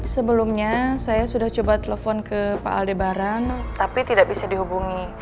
sebelumnya saya sudah coba telepon ke pak aldebaran tapi tidak bisa dihubungi